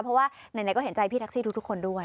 เพราะว่าไหนก็เห็นใจพี่แท็กซี่ทุกคนด้วย